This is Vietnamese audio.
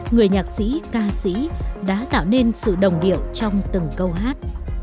người nhạc sĩ ca sĩ đã tạo nên sự đồng điệu trong từng câu hát